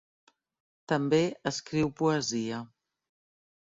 També escriu poesia.